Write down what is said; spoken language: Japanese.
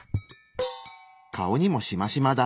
顔にもしましまだ。